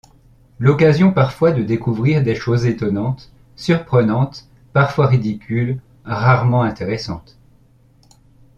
L'occasion parfois de découvrir des choses étonnantes, surprenantes parfois ridicules, rarement intéressantes.